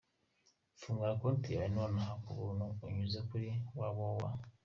Fungura konti yawe nonaha kubuntu , unyuze kuri www.